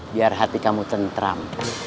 biar hati kamu tentram